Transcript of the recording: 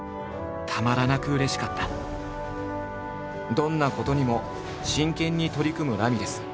どんなことにも真剣に取り組むラミレス。